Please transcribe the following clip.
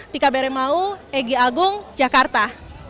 tika bere mau egy agung jakarta